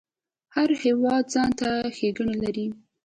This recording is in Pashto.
هر هیواد ځانته ښیګڼی لري